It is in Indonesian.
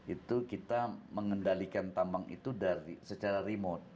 itu kita mengendalikan tambang bawah tanah kita dengan cara yang lebih teknis dan lebih teknis